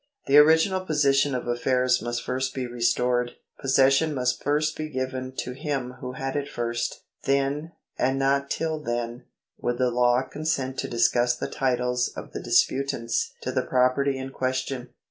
The original position of affairs must first be restored ; possession must first be given to him who had it first ; then, and not till then, would the law con sent to discuss the titles of the disputants to the property in question.